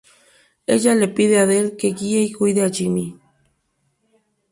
Ella le pide a Dell que guíe y cuide a Jimmy.